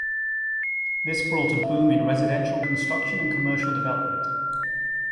This brought a boom in residential construction and commercial development.